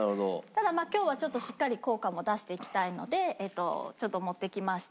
ただ今日はしっかり効果も出していきたいのでちょっと持ってきました。